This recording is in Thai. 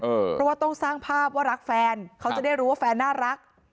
เพราะว่าต้องสร้างภาพว่ารักแฟนเขาจะได้รู้ว่าแฟนน่ารัก